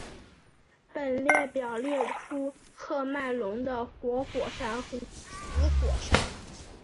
本列表列出喀麦隆的活火山与死火山。